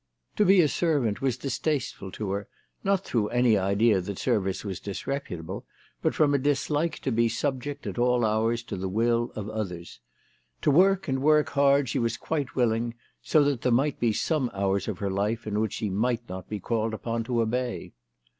To be a servant was THE TELEGKAPH GIRL. 265 distasteful to her, not through any idea that service was disreputable, but from a dislike to be subject at all hours to the will of others. To work and work hard she was quite willing, so that there might be some hours of her life in which she might not be called upon to obey.